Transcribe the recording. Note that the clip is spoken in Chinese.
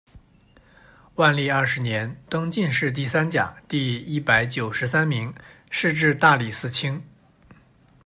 万历二十年，登进士第三甲第一百九十三名，仕至大理寺卿。